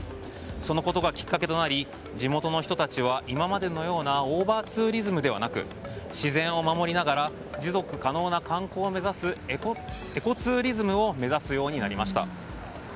そのことがきっかけとなり地元の人たちは今までのようなオーバーツーリズムではなく自然を守りながら持続可能な観光を目指すエコツーリズムを目指すようになりました。